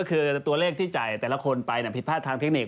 ก็คือตัวเลขที่จ่ายแต่ละคนไปผิดพลาดทางเทคนิค